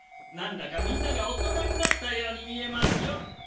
なんだかみんなが大人になったように見えますよ。